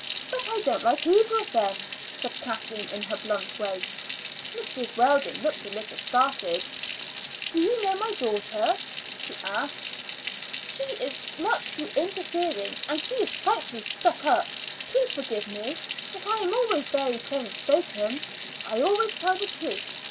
"But I don't like either of them," said Kathleen in her blunt way. Mrs. Weldon looked a little startled. "Do you know my daughter?" she asked. "She is much too interfering, and she is frightfully stuck up. Please forgive me, but I am always very plain spoken; I always tell the truth.